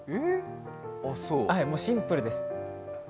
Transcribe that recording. もうシンプルです。